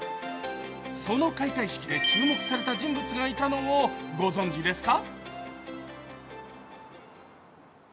その開会式で注目された人物がいたのをご存じですか？